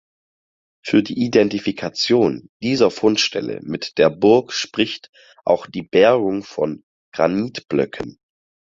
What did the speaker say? Für die Identifikation dieser Fundstelle mit der Burg spricht auch die Bergung von Granitblöcken.